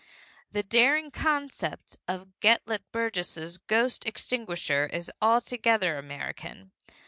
The daring concept of Gelett Burgess's Ghost Extinguisher is altogether American.